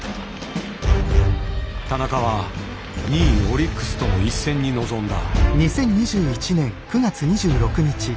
田中は２位オリックスとの一戦に臨んだ。